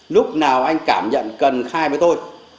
lúc nào anh cảm nhận cần khai với tôi